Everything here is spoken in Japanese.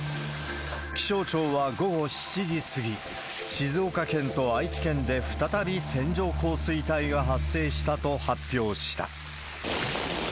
気象庁は午後７時過ぎ、静岡県と愛知県で再び線状降水帯が発生したと発表した。